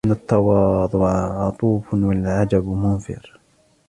لِأَنَّ التَّوَاضُعَ عَطُوفٌ وَالْعُجْبَ مُنَفِّرٌ